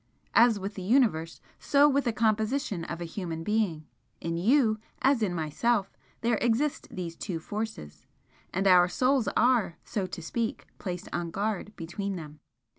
As with the Universe, so with the composition of a human being. In you, as in myself, there exist these two forces and our souls are, so to speak, placed on guard between them.